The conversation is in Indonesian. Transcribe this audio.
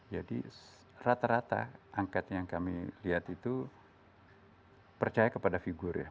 jadi rata rata angkat yang kami lihat itu percaya kepada figur ya